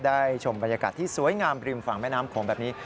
ชมบรรยากาศที่สวยงามริมฝั่งแม่น้ำโขงแบบนี้